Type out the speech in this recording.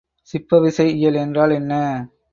சிப்பவிசை இயல் என்றால் என்ன?